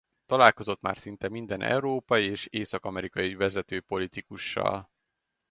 Találkozott már szinte minden európai és észak-amerikai vezető politikussal.